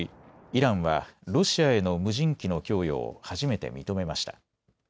イランはロシアへの無人機の供与を初めて認めました。